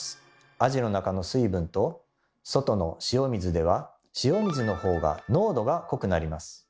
アジの中の水分と外の塩水では塩水の方が濃度が濃くなります。